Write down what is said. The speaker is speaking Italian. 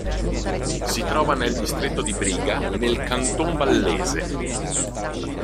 Si trova nel Distretto di Briga nel Canton Vallese.